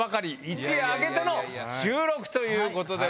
一夜明けての収録ということで。